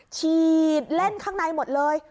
ฉีดเล่นข้างในหมดเลย